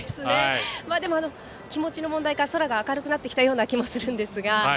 でも、気持ちの問題か空が明るくなってきたような気もするんですが。